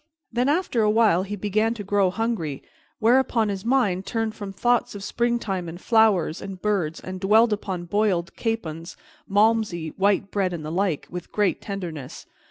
Then, after a while, he began to grow hungry, whereupon his mind turned from thoughts of springtime and flowers and birds and dwelled upon boiled capons, Malmsey, white bread, and the like, with great tenderness.